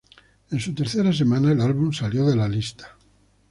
En su tercera semana el álbum salió de la lista.